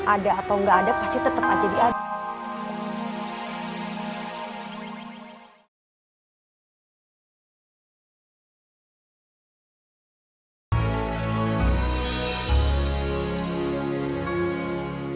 ada atau gak ada pasti tetep aja diadain